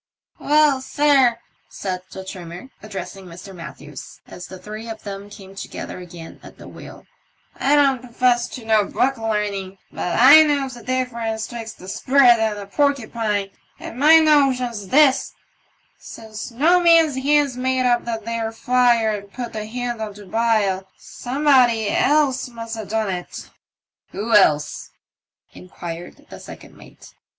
"Well, sir," said the trimther, addressing Mr. Matthews, as the three of them came together again at the wheel, "I don't profess to no book learning, but i knows the difference twixt a sprat and a porcupine, and my notion's this : since no man's hands made up that there fire and put the hen on to bile, somebody else must ha' done it." " Who else ?" inquired the second mate.